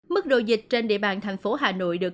mức độ dịch trên địa bàn thành phố hà nội được tổ chức